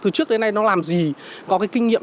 từ trước đến nay nó làm gì có cái kinh nghiệm